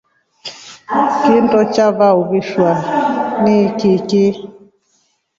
Kindo chava uvisha nchichi.